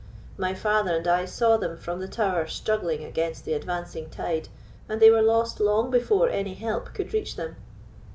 My father and I saw them from the tower struggling against the advancing tide, and they were lost long before any help could reach them."